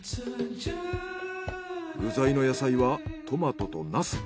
具材の野菜はトマトとナス。